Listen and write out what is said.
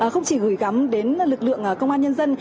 không chỉ gửi gắm đến lực lượng công an nhân dân